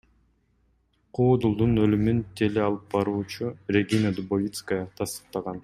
Куудулдун өлүмүн теле алып баруучу Регина Дубовицкая тастыктаган.